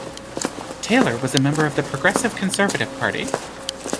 Taylor was a member of the Progressive Conservative Party.